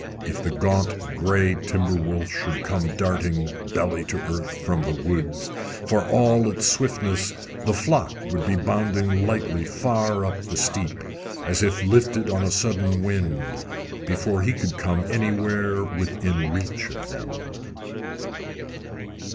If the gaunt gray timber wolf should come darting, belly to earth, from the woods, for all his swiftness the flock would be bounding lightly far up the steep, as if lifted on a sudden wind, before he could come anywhere within reach of them.